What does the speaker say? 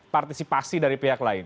partisipasi dari pihak lain